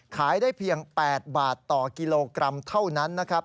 ขายได้เพียง๘บาทต่อกิโลกรัมเท่านั้นนะครับ